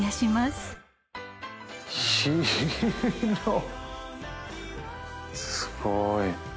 すごーい。